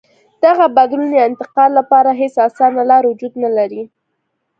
دغه بدلون یا انتقال لپاره هېڅ اسانه لار وجود نه لري.